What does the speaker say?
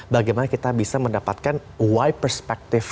bagaimana kita bisa mendapatkan wide perspective